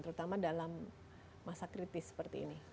terutama dalam masa kritis seperti ini